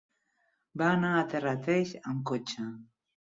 Va anar a Terrateig amb cotxe.